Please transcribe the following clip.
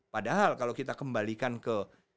padahal kalau kita kembalikan ke